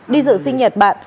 đi dự sinh nhật bạn